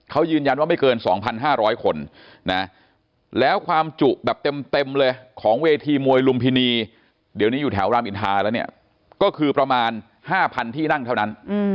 เขายืนยันว่าไม่เกิน๒๕๐๐คนนะแล้วความจุแบบเต็มเลยของเวทีมวยลุมพินีเดี๋ยวนี้อยู่แถวรามอินทาแล้วเนี่ยก็คือประมาณ๕๐๐ที่นั่งเท่านั้น